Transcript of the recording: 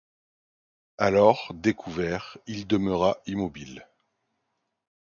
Alors, découvert, il demeura immobile.